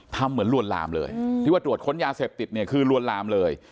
ทำเหมือนลวนลามเลยที่ว่าตรวจค้นยาเสพติดเนี่ยคือลวนลามเลย